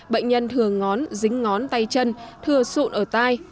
bệnh nhân thừa ngón dính ngón tay chân thừa sụn ở tai